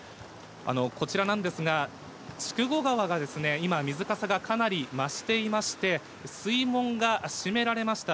こちらなんですが、筑後川が今、水かさがかなり増していまして、水門が閉められました。